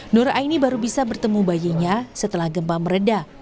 nur aini baru bisa bertemu bayinya setelah gempa meredah